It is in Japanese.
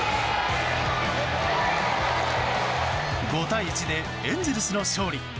５対１でエンゼルスの勝利。